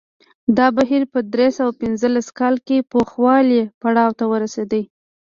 دا بهیر په درې سوه پنځلس کال کې پوخوالي پړاو ته ورسېد